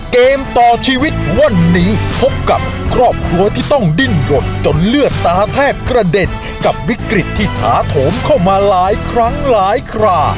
เกมต่อชีวิตวันนี้พบกับครอบครัวที่ต้องดิ้นรนจนเลือดตาแทบกระเด็นกับวิกฤตที่ถาโถมเข้ามาหลายครั้งหลายครา